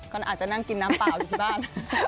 ก็อาจจะนั่งกินน้ำเปล่าอยู่ที่บ้าน